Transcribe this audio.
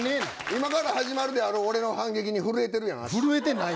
今、始まるであろう俺の反撃に震えてるやろ足。